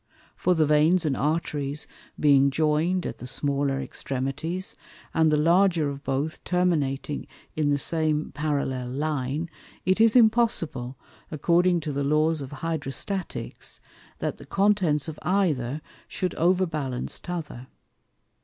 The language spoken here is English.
For the Veins and Arteries being join'd at the smaller Extremities, and the larger of both terminating in the same parallel Line, it is impossible, according to the Laws of Hydrostaticks, that the contents of either shou'd overbalance t'other.